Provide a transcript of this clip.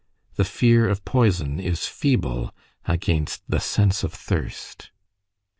The fear of poison is feeble against the sense of thirst.